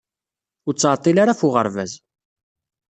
Ur ttɛeḍḍil ara ɣef uɣerbaz.